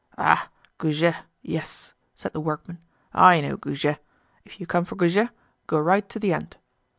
"Ah! Goujet, yes!" said the workman; "I know Goujet! If you come for Goujet, go right to the end."